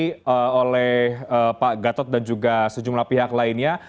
ini oleh pak gatot dan juga sejumlah pihak lainnya